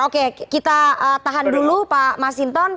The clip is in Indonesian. oke kita tahan dulu pak masinton